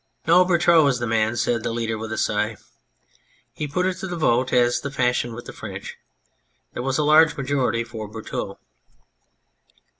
"No, Berteaux is the man," said the leader with a sigh. He put it to the vote, as is the fashion with the French. There was a large majority for Berteaux.